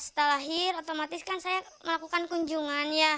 setelah lahir otomatis kan saya melakukan kunjungan ya